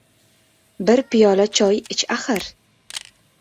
Bir piyola choy ich axir.